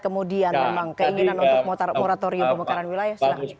kemudian keinginan untuk moratorium pemekaran wilayah